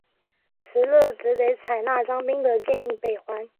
石勒只得采纳张宾的建议北还。